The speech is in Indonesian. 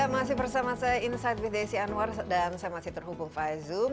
masih bersama saya insight with desi anwar dan saya masih terhubung via zoom